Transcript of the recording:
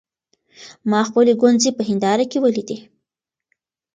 ما خپلې ګونځې په هېنداره کې وليدې.